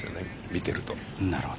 見てると。